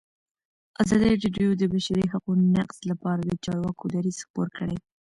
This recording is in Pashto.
ازادي راډیو د د بشري حقونو نقض لپاره د چارواکو دریځ خپور کړی.